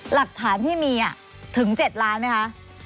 หลักฐานที่มีถึง๗ล้านไหมคะ